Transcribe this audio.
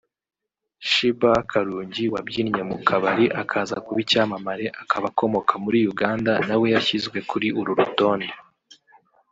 Sheebah Karungi wabyinye mu kabari akaza kuba icyamamare akaba akomoka muri Uganda nawe yashyizwe kuri uru rutonde